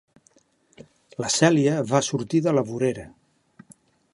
La Cèlia va sortir de la vorera.